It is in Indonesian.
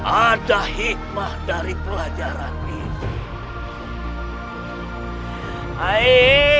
ada hikmah dari pelajaran ini